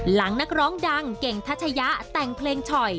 นักร้องดังเก่งทัชยะแต่งเพลงฉ่อย